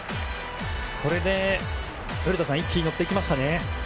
これで古田さん一気に乗っていきましたね。